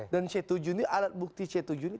c tujuh ini alat bukti c tujuh ini